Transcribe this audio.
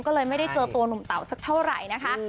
ก็เลยไม่ได้เจอตัวหนุ่มเต๋าสักเท่าไหร่นะคะ